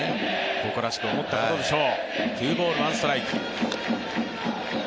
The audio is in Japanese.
誇らしく思ったことでしょう。